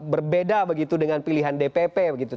berbeda begitu dengan pilihan dpp begitu